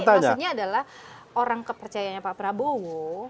jadi maksudnya adalah orang kepercayaan pak prabowo